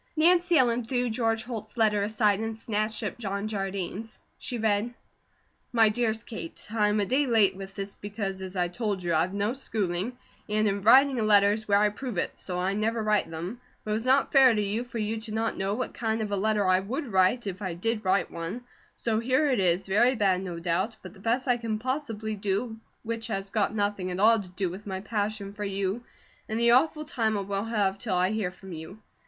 Nancy Ellen threw George Holt's letter aside and snatched up John Jardine's. She read: MY DEREST KATE: I am a day late with this becos as I told you I have no schooling and in writing a letter is where I prove it, so I never write them, but it was not fare to you for you not to know what kind of a letter I would write if I did write one, so here it is very bad no dout but the best I can possably do which has got nothing at all to do with my pashion for you and the aughful time I will have till I here from you.